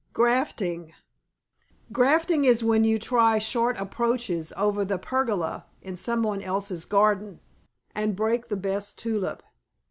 GRAFTING Grafting is when you try short approaches over the pergola in somebody else's garden, and break the best tulip.